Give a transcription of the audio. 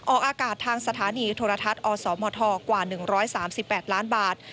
ออกอากาศทางสถานีโทรทัศน์อสมทกว่า๑๓๘ล้านบาท